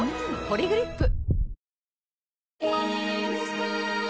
「ポリグリップ」